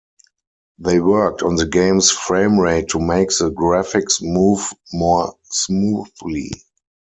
They worked on the game's framerate to make the graphics move more smoothly.